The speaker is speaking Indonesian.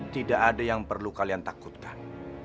tidak ada yang perlu kalian takutkan